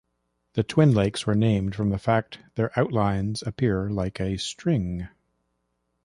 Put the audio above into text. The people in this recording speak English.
The twin lakes were named from the fact their outlines appear like a string.